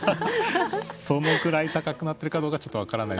そのくらい高くなってるかどうかちょっと分からないですけど。